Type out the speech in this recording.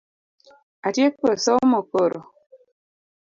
Atieko somo koro